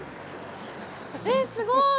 えっ、すごい。